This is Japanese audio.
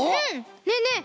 ねえねえ